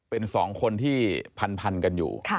เป็น๒คนที่พันกันอยู่